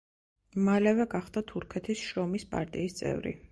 მალევე გახდა თურქეთის შრომის პარტიის წევრი.